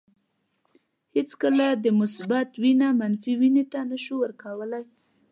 هیڅکله د مثبت وینه منفي وینې ته نشو ورکولای.